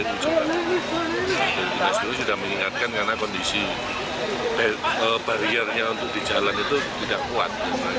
dinas guru sudah mengingatkan karena kondisi bariernya untuk di jalan itu tidak kuat